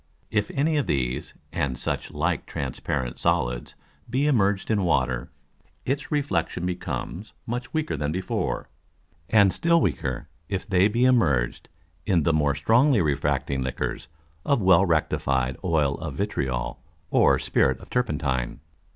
If any of these, and such like transparent Solids, be immerged in Water, its Reflexion becomes, much weaker than before; and still weaker if they be immerged in the more strongly refracting Liquors of well rectified Oil of Vitriol or Spirit of Turpentine.